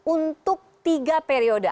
untuk tiga periode